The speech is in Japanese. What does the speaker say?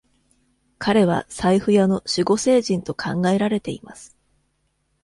彼は財布屋の守護聖人と考えられています。